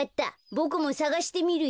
ボクもさがしてみるよ。